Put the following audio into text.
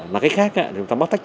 là cách khác chúng ta bóc tách